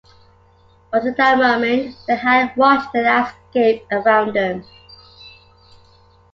Until that moment they had watched the landscape around them.